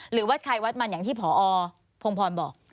หรือวัดใครวัดมันอย่างที่พอพงพรบอก